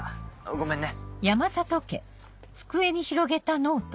ごめんね。